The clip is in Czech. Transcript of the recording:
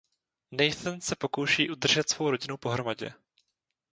Nathan se pokouší udržet svou rodinu pohromadě.